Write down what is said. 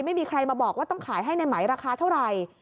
ไม่มีใครมาบอกว่าต้องขายให้ในไหมราคาเท่าไหร่